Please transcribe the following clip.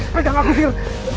pegang aku sir